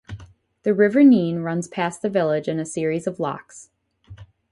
The River Nene runs past the village in a series of locks.